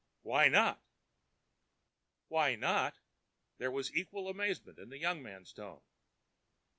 Why not?" "Why not?" There was equal amazement in the younger man's tone.